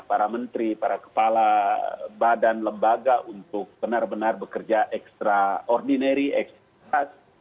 para menteri para kepala badan lembaga untuk benar benar bekerja ekstra ordinary ekstra keras